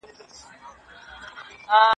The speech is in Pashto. نو ورو ورو د خلکو له ذهنه هم ایستل کېږي.